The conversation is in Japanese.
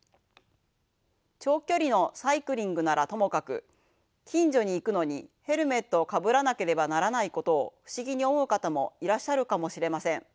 長距離のサイクリングならともかく近所に行くのにヘルメットをかぶらなければならないことを不思議に思う方もいらっしゃるかもしれません。